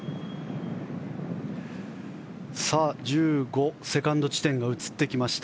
１５、セカンド地点が映ってきました。